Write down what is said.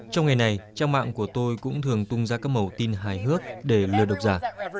trong ngày này trang mạng của tôi cũng thường tung ra các màu tin hài hước để lừa độc giả